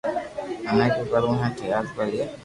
مني بي ڪروو ھي يار ڪوئي